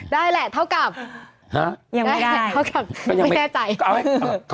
ได้แหละเท่ากับไม่แน่ใจฮะยังไม่ได้